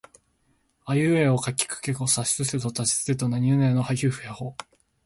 あいうえおかきくけこさしすせそたちつてとなにぬねのはひふへほ